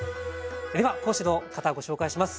では講師の方ご紹介します。